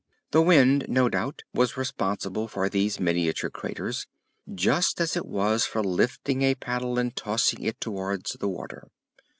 The wind, no doubt, was responsible for these miniature craters, just as it was for lifting the paddle and tossing it towards the water.